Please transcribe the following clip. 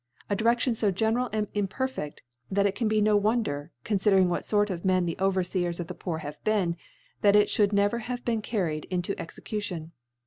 A Diredion {o general and imperfeA, that it can be noWon <kr, conlidering what fort of Men the Over feers of the Poor have been,, that it {hould never have been carried into Execution.